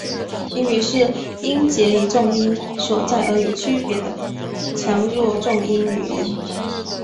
英语是音节以重音所在而有区别的强弱重音语言。